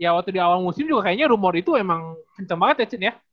ya waktu di awal musim juga kayaknya rumor itu emang kencang banget ya chin ya